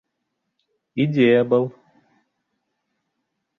Идея был!